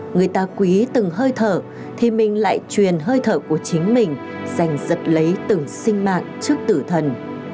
người ta quý từng hơi thở thì mình lại truyền hơi thở của chính mình giành giật lấy từng sinh mạng trước tử thần